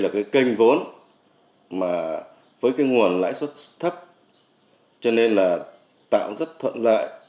là cái kênh vốn mà với cái nguồn lãi suất thấp cho nên là tạo rất thuận lợi